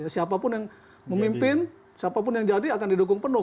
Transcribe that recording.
siapapun yang memimpin siapapun yang jadi akan didukung penuh